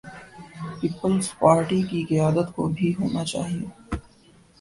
Peoples Party کی قیادت کو بھی ہونا چاہیے۔